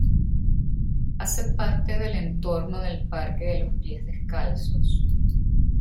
Hace parte del entorno del Parque de los Pies Descalzos.